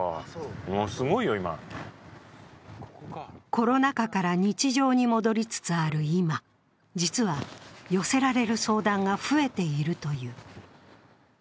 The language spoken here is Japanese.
コロナ禍から日常に戻りつつある今、実は、寄せられる相談が増えているという。